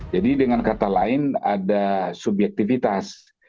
jadi dengan kata lain ada subjektivitas